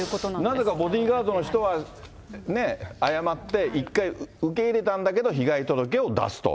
なぜかボディーガードの人は、ね、謝って、一回受け入れたんだけど、被害届を出すと。